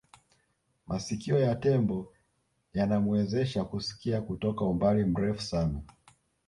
masikio ya tembo yanamuwezesha kusikia kutoka umbali mrefu sana